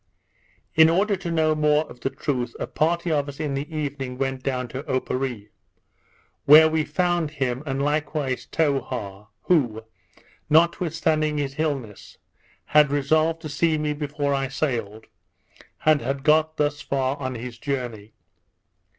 In order to know more of the truth, a party of us in the evening went down to Oparee; where we found him, and likewise Towha, who, notwithstanding his illness, had resolved to see me before I sailed; and had got thus far on his journey.